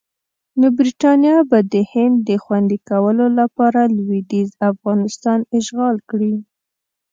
نو برټانیه به د هند د خوندي کولو لپاره لویدیځ افغانستان اشغال کړي.